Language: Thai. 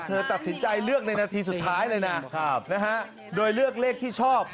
เธอตัดสินใจเลือกในนาทีสุดท้ายเลยนะโดยเลือกเลขที่ชอบ